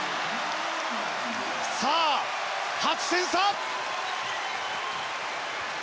さあ、８点差！